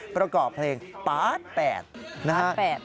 ประกอบเพลงปาร์ต๘นะครับ